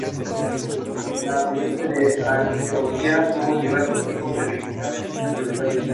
La provincia de Antioquia tuvo diversos tipos de división de su territorio.